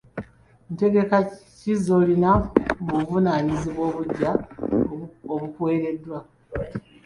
Ntegeka ki z'olina mu buvunaanyizibwa obuggya obukuwereddwa?